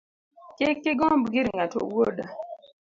Kik igomb gir ng’ato wuoda